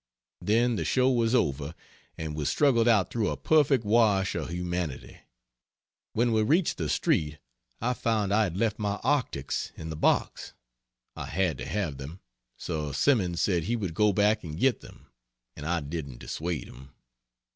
then the show was over and we struggled out through a perfect wash of humanity. When we reached the street I found I had left my arctics in the box. I had to have them, so Simmons said he would go back and get them, and I didn't dissuade him.